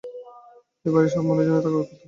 এ-বাড়ির সব মানুষজন থাকে একতলায়।